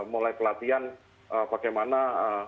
mulai pelatihan bagaimana